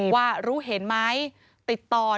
ว่ารู้เห็นไหมติดต่อ